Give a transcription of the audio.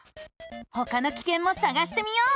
ほかのキケンもさがしてみよう！